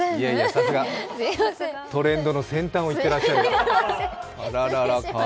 さすがトレンドの先端をいってらっしゃる。